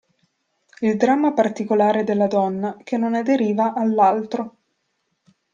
Il dramma particolare della donna, che non aderiva all'altro.